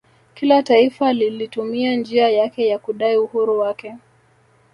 Kila taifa lilitumia njia yake ya kudai uhuru wake